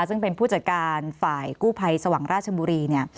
ซึ่งเป็นผู้จัดการฝ่ายกู้ภัยสว่างราชบุรีเนี่ย